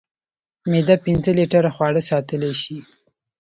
معده پنځه لیټره خواړه ساتلی شي.